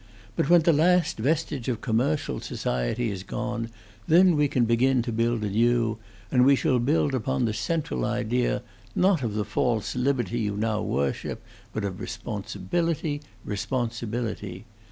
"But when the last vestige of commercial society is gone, then we can begin to build anew; and we shall build upon the central idea, not of the false liberty you now worship, but of responsibility responsibility.